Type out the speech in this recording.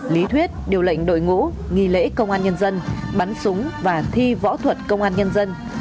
lý thuyết điều lệnh đội ngũ nghi lễ công an nhân dân bắn súng và thi võ thuật công an nhân dân